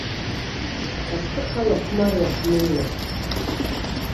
Асы ҳалахәмаруа ҳнеилап.